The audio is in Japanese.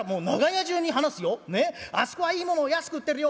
『あそこはいいものを安く売ってるよ。